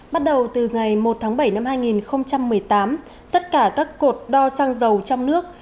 bắt đầu từ ngày một tháng bảy năm hai nghìn một mươi tám tất cả các cột đo sang dầu trong nước